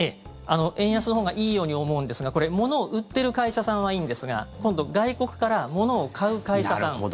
円安のほうがいいように思うんですがこれ、ものを売ってる会社さんはいいんですが今度、外国からものを買う会社さん。